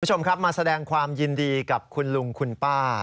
คุณผู้ชมครับมาแสดงความยินดีกับคุณลุงคุณป้า